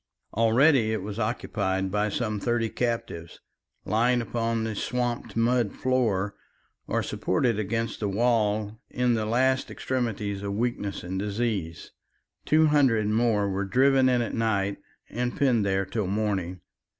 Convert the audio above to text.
Already it was occupied by some thirty captives, lying upon the swamped mud floor or supported against the wall in the last extremities of weakness and disease. Two hundred more were driven in at night and penned there till morning.